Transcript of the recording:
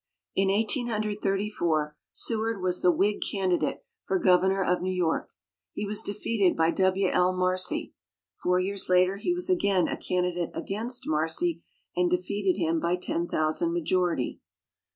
In Eighteen Hundred Thirty four, Seward was the Whig candidate for Governor of New York. He was defeated by W.L. Marcy. Four years later he was again a candidate against Marcy and defeated him by ten thousand majority.